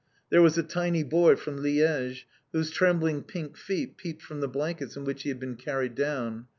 There was a tiny boy from Liège, whose trembling pink feet peeped from the blankets in which he had been carried down.